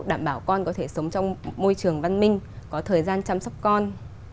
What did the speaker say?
đảm bảo con có thể sống trong môi trường văn minh có thời gian chăm sóc con